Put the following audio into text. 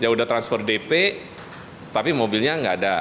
ya udah transfer dp tapi mobilnya nggak ada